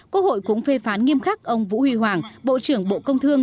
quốc hội cũng phê phán nghiêm khắc ông vũ huy hoàng bộ trưởng bộ công thương